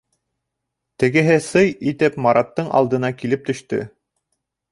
Тегеһе «сый» итеп Мараттың алдына килеп төштө.